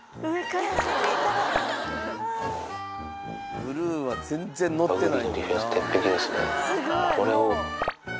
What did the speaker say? ブルーは全然乗ってない。